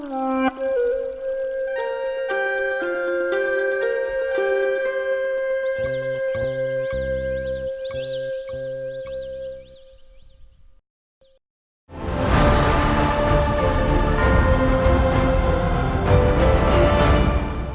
hẹn gặp lại